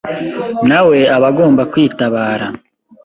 nawe aba agomba kwitabara.